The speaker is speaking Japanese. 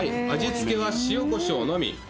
味付けは塩こしょうのみ。